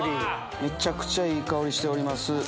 めちゃくちゃいい香りしております。